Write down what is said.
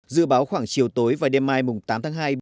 dự báo khoảng chiều tối và đêm mai tám tháng hai